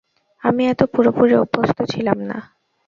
আমি এতে পুরোপুরি অভ্যস্ত ছিলাম না।